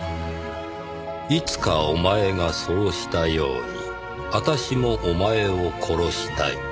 「いつかおまえがそうしたようにあたしもおまえを殺したい」